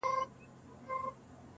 o اوس مي د زړه پر تكه سپينه پاڼه.